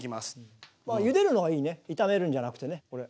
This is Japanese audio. ゆでるのがいいね炒めるんじゃなくてねこれ。